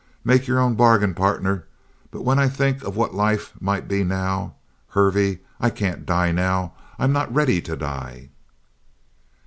Make your own bargain, partner. But when I think of what life might be now Hervey, I can't die now! I'm not ready to die!"